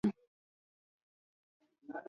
د سم کار د ترسره کولو لپاره انګېزه نه وه.